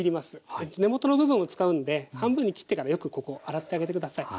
根元の部分も使うんで半分に切ってからよくここ洗ってあげて下さい。